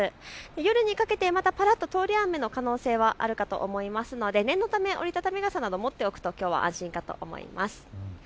夜にかけてまた、ぱらっと通り雨の可能性、あるかと思いますので、念のため折り畳み傘などを持っておくときょうは安心かと思います。